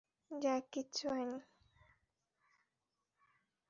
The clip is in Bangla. জ্যাক, কিচ্ছু হয়নি।